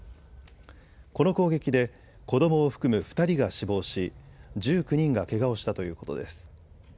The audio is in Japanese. この攻撃で子どもを含む２人が死亡し１９人がけがをしたということです。